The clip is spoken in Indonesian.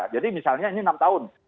jadi misalnya ini enam tahun